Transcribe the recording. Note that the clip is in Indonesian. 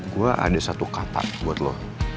gue ada satu kata buat lo